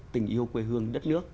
tình yêu quê hương đất nước